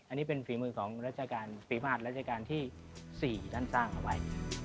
อันนี้เป็นฝีมือของราชการปีมาตรรัชกาลที่๔ท่านสร้างเอาไว้